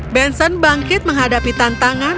benson bangkit menghadapi tantangan